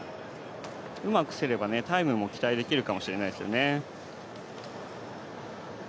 うまくすればタイムも期待できるかもしれないですよね。